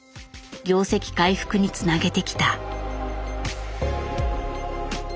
業績回復につなげてきた。